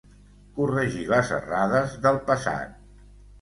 Corregir les errades del passat.